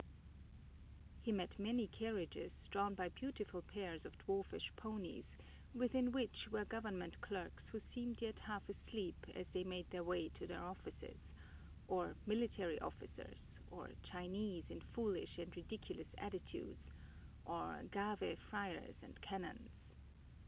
He met many carriages, drawn by beautiful pairs of dwarfish ponies, within which were government clerks who seemed yet half asleep as they made their way to their offices, or military officers, or Chinese in foolish and ridiculous attitudes, or Gave friars and canons.